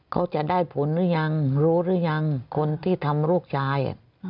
เขาจะได้ผลหรือยังรู้หรือยังคนที่ทำลูกชาย